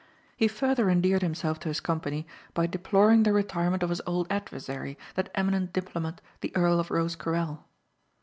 He further endeared himself to his company by deploring the retirement of his old adversary, that eminent diplomat, the Earl of Rosecarrel.